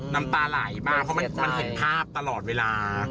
น้ำตาไหลมากเพราะมันเห็นภาพตลอดเวลา